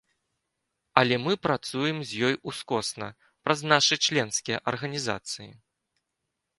Але мы працуем з ёй ускосна праз нашы членскія арганізацыі.